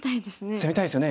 攻めたいですよね。